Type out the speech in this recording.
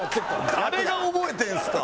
誰が覚えてんすか！